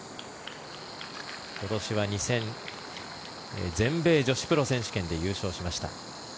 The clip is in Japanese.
今年は２戦全米女子プロ選手権で優勝しました。